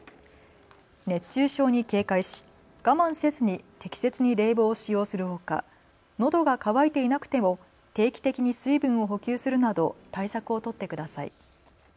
熱中症に警戒し我慢せずに適切に冷房を使用するほか、のどが渇いていなくても定期的に水分を補給するなど対策を取ってください。